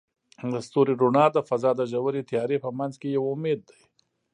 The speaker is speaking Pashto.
د ستوري رڼا د فضاء د ژورې تیارې په منځ کې یو امید دی.